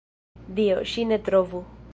Dio, ŝi ne trovu!